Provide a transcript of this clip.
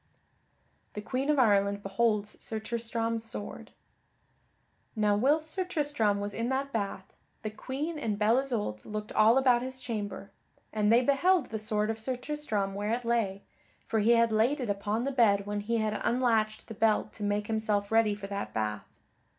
[Sidenote: The Queen of Ireland beholds Sir Tristram's sword] Now whilst Sir Tristram was in that bath, the Queen and Belle Isoult looked all about his chamber. And they beheld the sword of Sir Tristram where it lay, for he had laid it upon the bed when he had unlatched the belt to make himself ready for that bath.